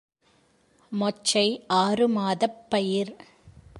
மொச்சை ஆறுமாதப் பயிர்.